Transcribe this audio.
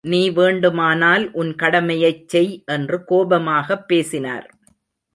நீ வேண்டுமானால் உன் கடமையைச் செய் என்று கோபமாகப் பேசினார்.